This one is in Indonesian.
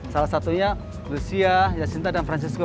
salah satunya lucia yacinta dan francisco